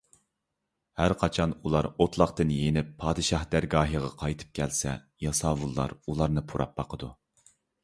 ھەرقاچان ئۇلار ئوتلاقتىن يېنىپ پادىشاھ دەرگاھىغا قايتىپ كەلسە، ياساۋۇللار ئۇلارنى پۇراپ باقىدۇ.